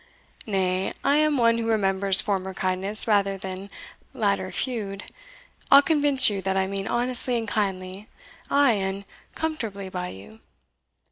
nay, I am one who remembers former kindness rather than latter feud. I'll convince you that I meant honestly and kindly, ay, and comfortably by you."